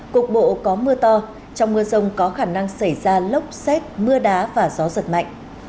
cục bộ có mưa to trong mưa rông có khả năng xảy ra lốc xét mưa đá và gió giật mạnh